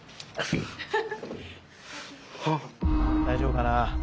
大丈夫かな？